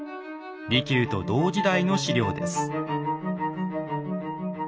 利休と同時代の史料です。